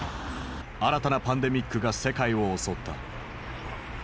新たなパンデミックが世界を襲った。